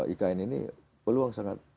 ikn ini peluang sangat